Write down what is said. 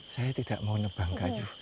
saya tidak mau nebang kayu